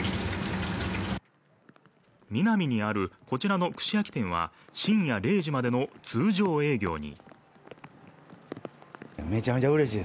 ミナミにある、こちらの串焼き店は深夜０時までの通常営業に。